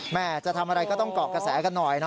แม่จะทำอะไรก็ต้องเกาะกระแสกันหน่อยนะ